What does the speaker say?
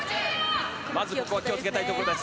まずここは気をつけたいところです。